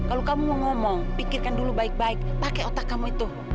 aku tidak pantas sat